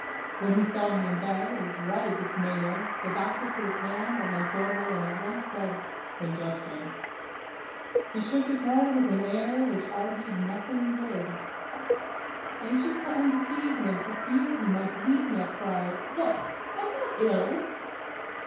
When he saw me in bed, as red as a tomato, the doctor put his hand on my forehead and said at once: "Congestion." He shook his head with an air which augured nothing good. Anxious to undeceive him for fear he might bleed me, I cried: "Why, I'm not ill!"